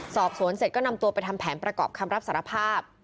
สอบสวนเสร็จก็นำตัวไปทำแผนประกอบคำรับสารภาพ